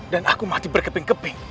dan aku mati berkeping keping